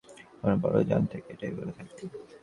রোবটরা শুধু এটাই বলে, তাই আমরা বড় যানটাকে এটাই বলে থাকি।